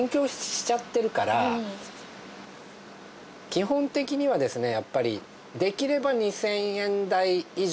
基本的にはですね